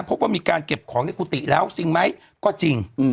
พบว่ามีการเก็บของในกุฏิแล้วจริงไหมก็จริง